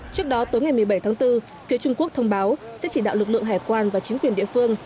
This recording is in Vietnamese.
trước đó tối ngày một mươi bảy tháng bốn phía trung quốc thông báo sẽ chỉ đạo lực lượng hải quan và chính quyền địa phương